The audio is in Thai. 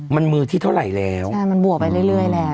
มันมือที่เท่าไหร่แล้วใช่มันบวกไปเรื่อยแล้ว